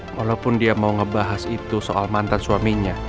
walaupun dia mau ngebahas itu soal mantan suaminya